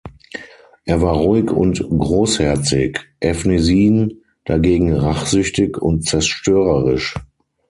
Er war ruhig und großherzig, Efnisien dagegen rachsüchtig und zerstörerisch.